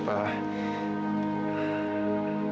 aku tahu berhasil bu